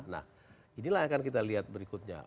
nah inilah yang akan kita lihat berikutnya